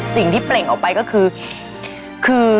สิ่งที่เปล่งเอาไปก็คือ